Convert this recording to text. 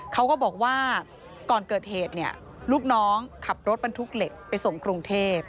เขาก็บอกว่าก่อนเกิดเหตุเนี่ยลูกน้องขับรถบรรทุกเหล็กไปส่งกรุงเทพ